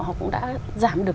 họ cũng đã giảm được